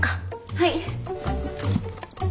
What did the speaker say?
はい。